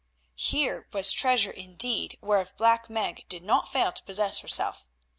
Here was treasure indeed whereof Black Meg did not fail to possess herself.